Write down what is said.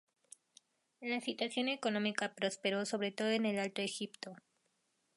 La situación económica prosperó, sobre todo en el Alto Egipto.